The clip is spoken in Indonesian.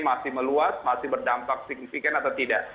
masih meluas masih berdampak signifikan atau tidak